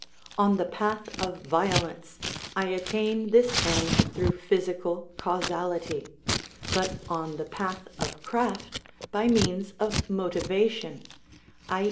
On the path of violence I attain this end through physical causality, but on the path of craft by means of motivation, _i.